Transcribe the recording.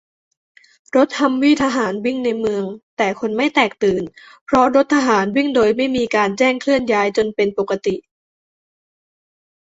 - รถฮัมวี่ทหารวิ่งในเมือง แต่คนไม่แตกตื่น เพราะรถทหารวิ่งโดยไม่มีการแจ้งเคลื่อนย้ายจนเป็นปกติ